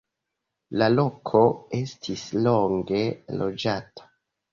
La loko estis longe loĝata.